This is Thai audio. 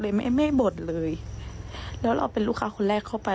ไม่ไม่บ่นเลยแล้วเราเป็นลูกค้าคนแรกเข้าไป